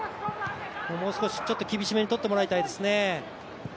もう少しちょっと厳しめにとってもらいたいですね。